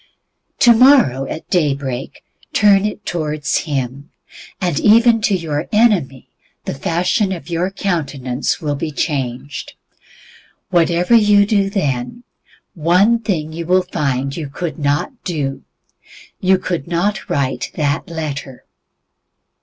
Tomorrow at day break, turn it towards Him, and even to your enemy the fashion of your countenance will be changed. Whatever you then do, one thing you will find you could not do you could not write that letter.